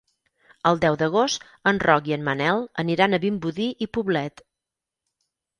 El deu d'agost en Roc i en Manel aniran a Vimbodí i Poblet.